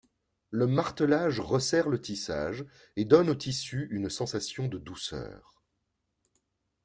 Le martelage resserre le tissage et donne au tissu une sensation de douceur.